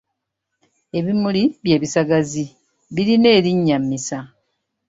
Ebimuli by’ebisagazi birina erinnya misa.